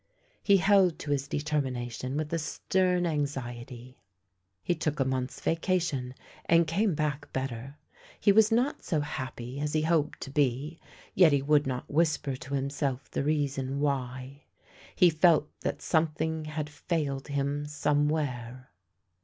He held to his determination with a stern anxiety. He took a month's vacation, and came back better. He was not so happy as he hoped to be ; yet he would not whisper to himself the reason why. He felt that some thing had failed him somewhere.